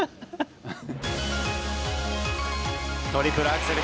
トリプルアクセル